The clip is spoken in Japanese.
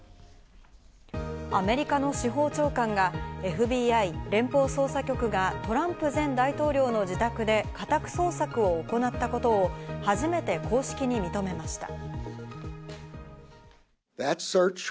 アメリカの司法長官がＦＢＩ＝連邦捜査局が、トランプ前大統領の自宅で家宅捜索を行ったことを初めて公式に認めました。